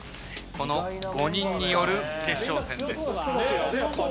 この５人による決勝戦です。